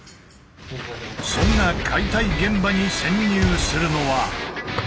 そんな解体現場に潜入するのは。